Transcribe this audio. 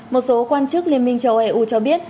một số quan chức liên minh châu eu cho biết